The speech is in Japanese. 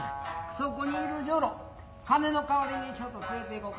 そこにいる女郎金のかわりにちょっと連れていこか。